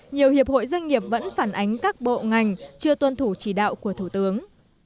nhiều hiệp hội doanh nghiệp vẫn phản ánh các bộ ngành chưa tuân thủ chỉ đạo của thủ tướng